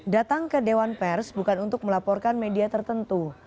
datang ke dewan pers bukan untuk melaporkan media tertentu